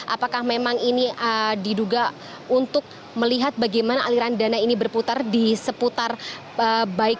apakah memang ini diduga untuk melihat bagaimana aliran dana ini berputar di seputar baik